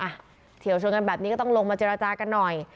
เฉียวชนกันแบบนี้ก็ต้องลงมาเจรจากันหน่อย